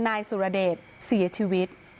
นายสุรเดชเสียชีวิต